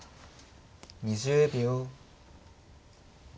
２０秒。